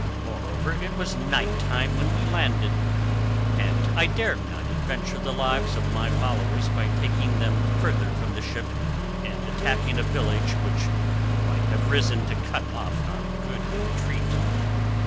Moreover, it was night time when we landed, and I dared not adventure the lives of my followers by taking them further from the ship and attacking a village which might have risen to cut off our good retreat."